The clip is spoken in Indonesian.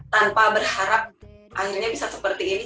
tanpa berharap akhirnya bisa seperti ini